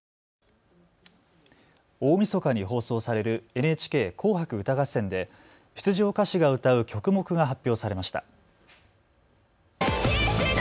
大みそかに放送されるＮＨＫ紅白歌合戦で出場歌手が歌う曲目が発表されました。